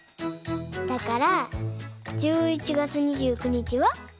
だから１１月２９日は？